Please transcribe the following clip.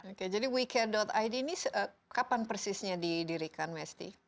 oke jadi wecare id ini kapan persisnya didirikan mesti